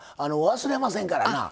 忘れませんからなあ。